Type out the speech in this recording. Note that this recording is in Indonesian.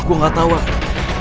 gue gak tau wak